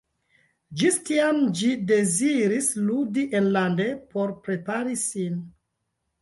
Ĝis tiam ĝi deziris ludi enlande por prepari sin.